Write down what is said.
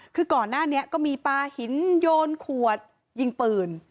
คือก่อนหน้านี้ก็มีปลาหินโยนขวดยิงปืน